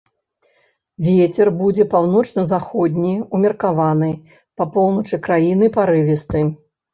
Вецер будзе паўночна-заходні ўмеркаваны, па поўначы краіны парывісты.